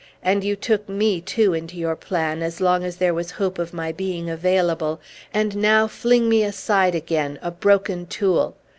And you took me, too, into your plan, as long as there was hope of my being available, and now fling me aside again, a broken tool!